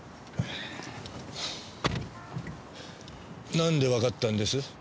なんでわかったんです？